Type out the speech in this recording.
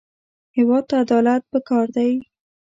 هېواد ته عدالت پکار دی